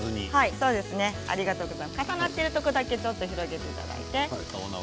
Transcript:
重なっているところだけ広げていただいて。